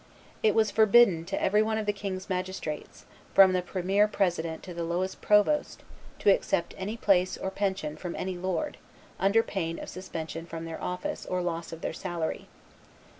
It was forbidden to every one of the king', magistrates, from the premier president to the lowest provost to accept any place or pension from any lord, under pain of suspension from their office or loss of their salary.